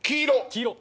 黄色。